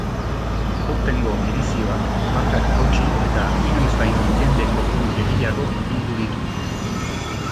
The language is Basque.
Aurtengo edizioak markak hautsi eta inoiz baino jende kopuru gehiago bildu ditu.